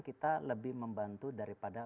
kita lebih membantu daripada